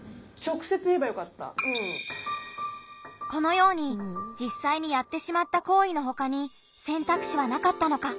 このようにじっさいにやってしまった行為のほかに選択肢はなかったのか。